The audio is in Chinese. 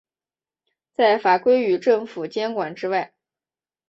在法规与政府监管之外。